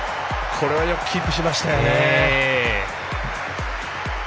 これはよくキープしましたよね。